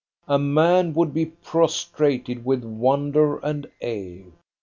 A man would be prostrated with wonder and awe.